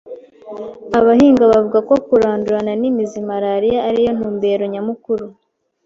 Abahinga bavuga ko kurandurana n'imizi malaria ari yo "ntumbero nyamukuru".